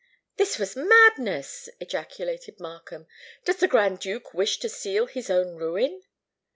"This was madness!" ejaculated Markham. "Does the Grand Duke wish to seal his own ruin?"